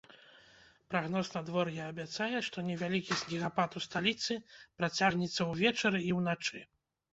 Прагноз надвор'я абяцае, што невялікі снегапад у сталіцы працягнецца ўвечары і ўначы.